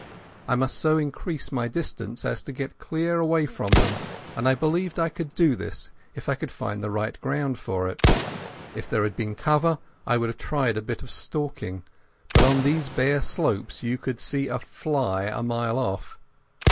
I must so increase my distance as to get clear away from them, and I believed I could do this if I could find the right ground for it. If there had been cover I would have tried a bit of stalking, but on these bare slopes you could see a fly a mile off.